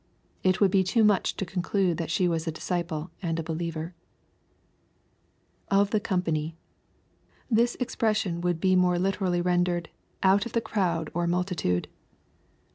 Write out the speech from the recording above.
It would be too much to conclude that she was a disciple and a believer, [of the compamf,] This expression would be more literally ren dered, " out of the crowd or multitude."